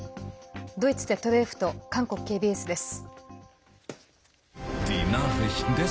ドイツＺＤＦと韓国ＫＢＳです。